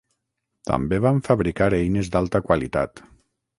També van fabricar eines d'alta qualitat.